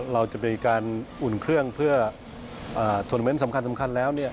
เราจะมีการอุ่นเครื่องเพื่อทวนาเมนต์สำคัญแล้ว